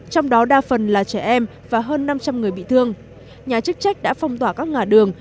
trong đó đa phần là trẻ em và hơn năm trăm linh người bị thương nhà chức trách đã phong tỏa các ngã đường